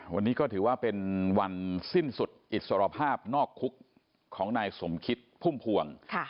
วันนี้ก็ถือว่าเป็นวันสิ้นสุดอิสรภาพนอกคุกของนายสมคิดพุ่มพวง